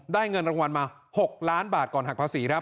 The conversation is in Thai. เงินรางวัลมา๖ล้านบาทก่อนหักภาษีครับ